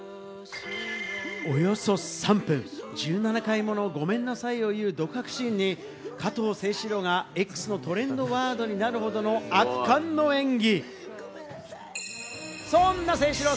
およそ３分、１７回もの「ごめんなさい」を言う独白シーンに「加藤清史郎」が「Ｘ」のトレンドワードになるほどの圧巻の演技。